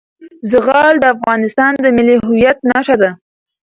زغال د افغانستان د ملي هویت نښه ده.